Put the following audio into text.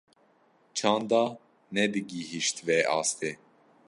çanda nedigîhîşt vê astê.